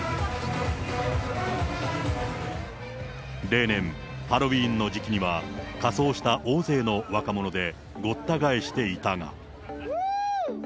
例年、ハロウィーンの時期には、仮装した大勢の若者でごった返していたが。